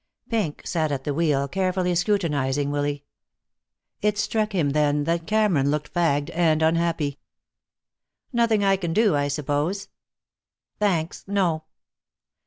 Pink sat at the wheel, carefully scrutinizing Willy. It struck him then that Cameron looked fagged and unhappy. "Nothing I can do, I suppose?" "Thanks, no."